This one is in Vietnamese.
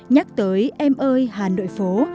nhắc tới em ơi hà nội phố